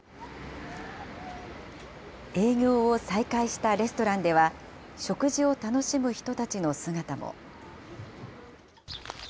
営業を再開したレストランでは、食事を楽しむ人たちの姿も。